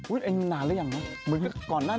อุ้ยไอหนูนานแล้วยังนะ